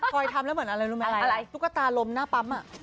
คอยทำแล้วเหมือนอะไรรู้ไหมชุกตาลมหน้าปั๊ม